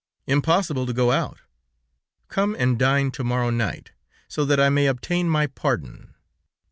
Impossible to go out. Come and dine to morrow night, so that I may obtain my pardon.